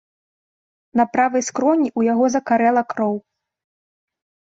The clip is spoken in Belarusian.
На правай скроні ў яго закарэла кроў.